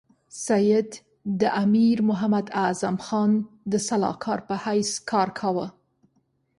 سید د امیر محمد اعظم خان د سلاکار په حیث کار کاوه.